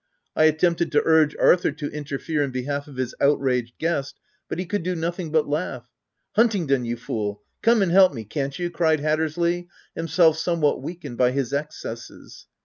I attempted to urge Arthur to interfere in behalf of his outraged guest, but he could do nothing but laugh. " Huntingdon, you fool, come and help me, can't you !" cried Hattersley, himself some what weakened by his excesses.